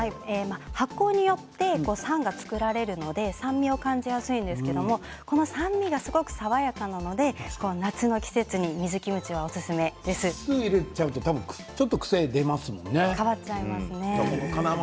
発酵によって酸が作られるので酸味を感じやすいんですけれどこの酸味がすごく爽やかなので夏の季節に水キムチはお酢が出るとちょっと癖が出ますよね。